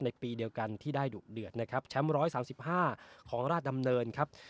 ในปีเดียวกันที่ได้ดุเดือดนะครับแชมป์ร้อยสามสิบห้าของราชดำเนินครับ